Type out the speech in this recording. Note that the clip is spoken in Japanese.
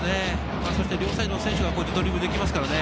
両サイドの選手がドリブルできますからね。